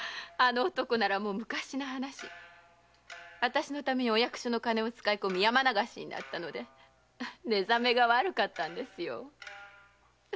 あの男ならもう昔の話。あたしのためにお役所の金を使い込み山流しになったので寝覚めが悪かったんですよ。